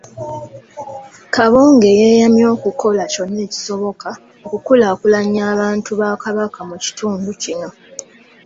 Kabonge yeeyamye okukola kyonna ekisoboka okukulaakulanya abantu ba Kabaka mu kitundu kino